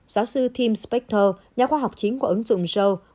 giáo sư tim spector nhà khoa học chính của ứng dụng joe